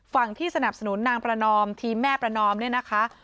ฝั่งที่สนับสนุนนางประนอมทีมแม่ประนอมเนี่ยนะคะ